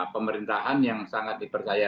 pemerintahan yang sangat dipercaya